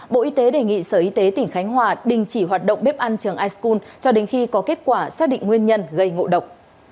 bộ y tế đề nghị sở y tế tỉnh khánh hòa đình chỉ hoạt động bếp ăn trường ischul cho đến khi có kết quả xác định nguyên nhân gây ngộ độc